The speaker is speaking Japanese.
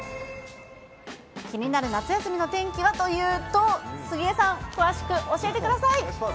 気になる夏休みの天気はというと、杉江さん、詳しく教えてください。